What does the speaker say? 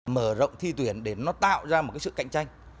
mở rộng thi tuyển để nó tạo ra một cái sự cạnh tranh